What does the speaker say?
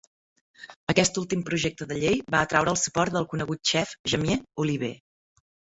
Aquest últim projecte de llei va atraure el suport del conegut xef Jamie Oliver.